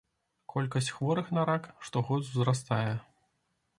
Колькасць хворых на рак штогод узрастае.